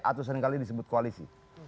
atau seringkali disebut koalisi